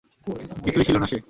কিছুই ছিল না সে।